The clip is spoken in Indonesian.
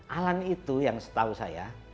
alan itu yang setahu saya